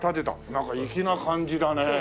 なんか粋な感じだね。